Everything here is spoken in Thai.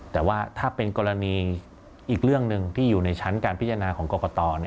แต่ว่าถ้าเป็นกรณีอีกเรื่องหนึ่งที่อยู่ในชั้นการพิจารณาของกรกต